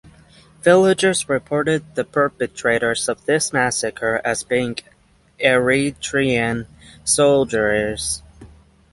Villagers reported the perpetrators of this massacre as being Eritrean soldiers.